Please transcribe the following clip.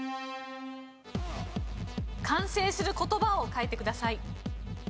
完成する言葉を書いてください。